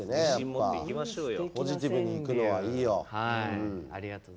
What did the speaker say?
ポジティブにいくのはいいよ。